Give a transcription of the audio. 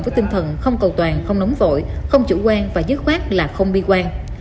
với tinh thần không cầu toàn không nóng vội không chủ quan và dứt khoát là không bi quan